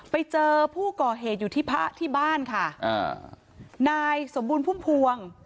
ไปเจอผู้ก่อเหตุอยู่ที่พระที่บ้านค่ะอ่านายสมบูรณพุ่มพวง